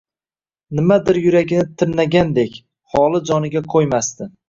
Nimadir yuragini tirnagandek, holi joniga koʼymasdi.